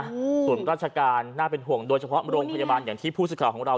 ส่วนราชการน่าเป็นห่วงโดยเฉพาะโรงพยาบาลอย่างที่ผู้สื่อข่าวของเรา